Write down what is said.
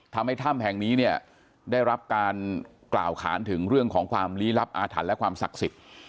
ทำให้ถ้ำแห่งนี้เนี่ยได้รับการกล่าวขานถึงเรื่องของความลี้ลับอาถรรพ์และความศักดิ์สิทธิ์